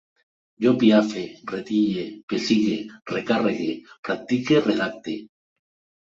Jo piafe, retille, pessigue, recarregue, practique, redacte